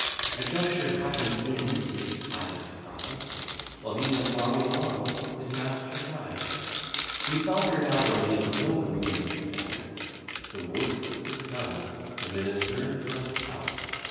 A juncture happen'd in his highest pride: While he went robbing on, his master died. We thought there now remain'd no room to doubt; The work is done, the minister must out.